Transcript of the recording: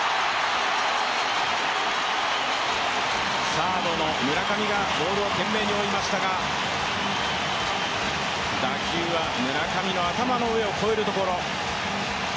サードの村上がボールを懸命に追いましたが、打球は村上の頭の上を越えるところ。